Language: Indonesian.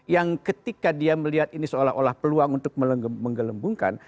yang ketika dia melihat ini seolah olah peluang untuk menggelembungkan